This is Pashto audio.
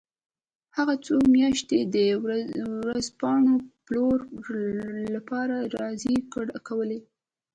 هغه څو میاشتې د ورځپاڼو پلورلو لپاره زارۍ کولې